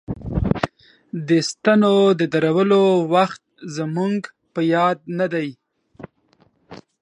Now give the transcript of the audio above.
د ستنو د درولو وخت زموږ په یاد نه دی.